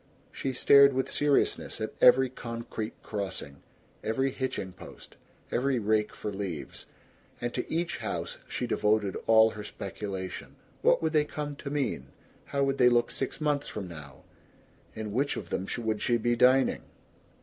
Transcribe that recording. She stared with seriousness at every concrete crossing, every hitching post, every rake for leaves; and to each house she devoted all her speculation. What would they come to mean? How would they look six months from now? In which of them would she be dining?